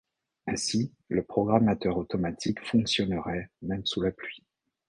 Ainsi, le programmateur automatique fonctionnerait même sous la pluie.